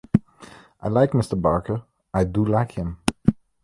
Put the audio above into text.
I like Mr. Barker — I do like him.